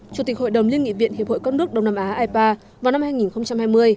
chủ tịch hội đồng liên nghị viện hiệp hội các nước đông nam á ipa vào năm hai nghìn hai mươi